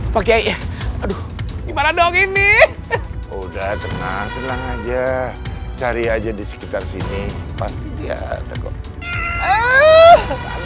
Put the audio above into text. pak kiai aduh gimana dong ini udah tenang tenang aja cari aja di sekitar sini pasti dia ada kok